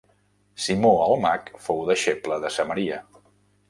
Simó el Mag fou deixeble de Samaria.